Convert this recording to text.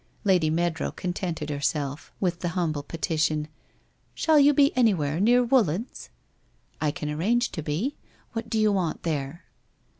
Lady Meadrow contented herself with the humble petition: ' Shall you be anywhere near Woollands ?'' I can arrange to be. What do you want there